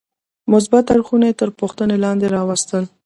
مثبت اړخونه تر پوښتنې لاندې راوستل.